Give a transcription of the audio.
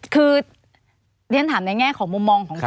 คือเรียนถามในแง่ของมุมมองของ